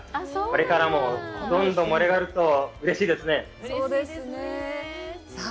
これからもどんどん盛り上がるとうれしいですね。